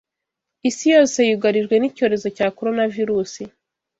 Isi yose yugarijwe n’icyorezo cya Coronavirus